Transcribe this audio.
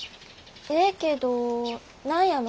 ええけど何やの？